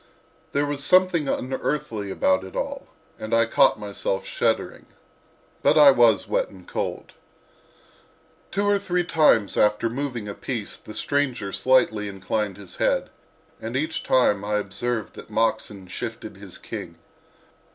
There was something unearthly about it all, and I caught myself shuddering. But I was wet and cold. Two or three times after moving a piece the stranger slightly inclined his head, and each time I observed that Moxon shifted his king.